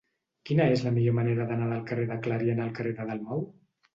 Quina és la millor manera d'anar del carrer de Clariana al carrer de Dalmau?